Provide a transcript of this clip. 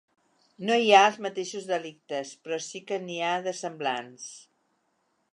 No hi ha els mateixos delictes, però sí que n’hi ha de semblants.